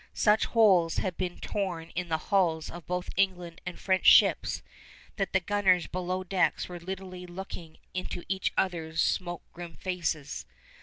Such holes had been torn in the hulls of both English and French ships that the gunners below decks were literally looking into each other's smoke grimmed faces.